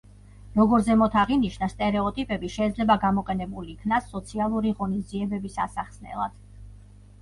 როგორც ზემოთ აღინიშნა, სტერეოტიპები შეიძლება გამოყენებულ იქნას, სოციალური ღონისძიებების ასახსნელად.